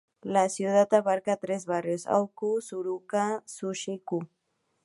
La ciudad abarca tres barrios: Aoi-ku, Suruga-ku y Shimizu-ku.